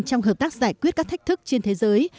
trong hợp tác giải quyết các thách thức trên thế giới